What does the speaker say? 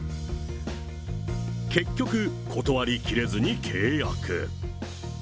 結局、断り切れずに契約。